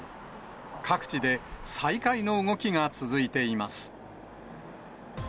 各地で再開の動きが続いています。